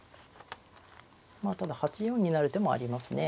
まあただ８四に成る手もありますね。